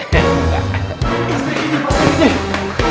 istri ini bapak